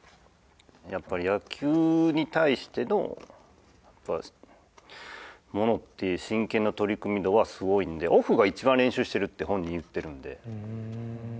やっぱり野球に対してのものって真剣な取り組み度はすごいんでオフが一番練習してるって本人言ってるんで。